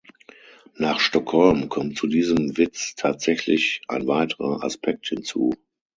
Nach Stockholm kommt zu diesem Witz tatsächlich ein weiterer Aspekt hinzu.